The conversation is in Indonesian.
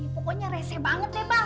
pokoknya reseh banget deh bang